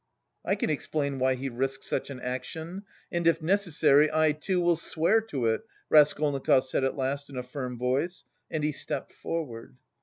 "I can explain why he risked such an action, and if necessary, I, too, will swear to it," Raskolnikov said at last in a firm voice, and he stepped forward.